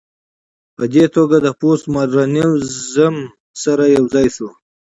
په دې توګه له پوسټ ماډرنيزم سره يوځاى شو